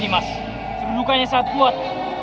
terima kasih mas terdudukannya sangat kuat